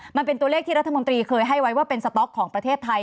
มันเป็นตัวเลขที่รัฐมนตรีเคยให้ไว้ว่าเป็นสต๊อกของประเทศไทย